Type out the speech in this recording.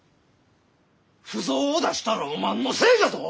腐造を出したらおまんのせいじゃぞ！